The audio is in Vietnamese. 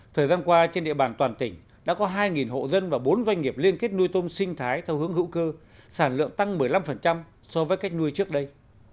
thời gian qua trên địa bàn toàn tỉnh đã có hai hộ dân và bốn doanh nghiệp liên kết nuôi tôm sinh thái theo hướng hữu cơ sản lượng tăng một mươi năm so với cách nuôi trước đây